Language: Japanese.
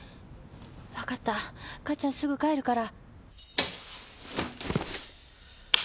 わかった母ちゃんすぐ帰るから。